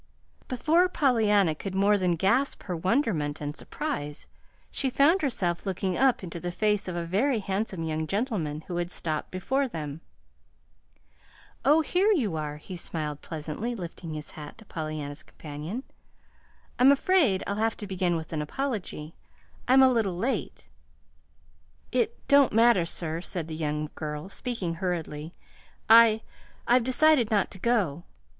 Before Pollyanna could more than gasp her wonderment and surprise, she found herself looking up into the face of a very handsome young gentleman, who had stopped before them. "Oh, here you are," he smiled pleasantly, lifting his hat to Pollyanna's companion. "I'm afraid I'll have to begin with an apology I'm a little late." "It don't matter, sir," said the young girl, speaking hurriedly. "I I've decided not to go."